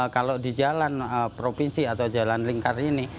kalau di jalan provinsi atau jalan lingkar ini